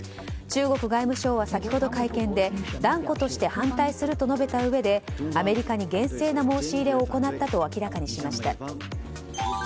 中国外務省は先ほど会見で断固として反対すると述べたうえでアメリカに厳正な申し入れを行ったと明らかにしました。